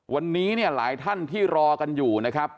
วันนี้เนี่ยหลายท่านที่รอกันอยู่นะครับ